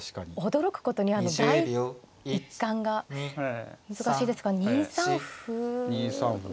驚くことに第一感が難しいですが２三歩。